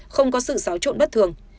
không có sự giáo trộn bất thường